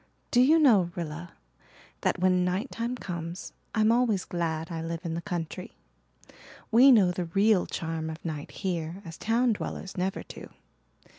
Do you know, Rilla, that when night time comes I'm always glad I live in the country. We know the real charm of night here as town dwellers never do.